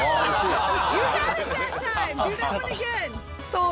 そう。